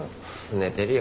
寝てるよ。